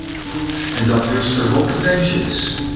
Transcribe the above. En dat wylst der wol potinsje is.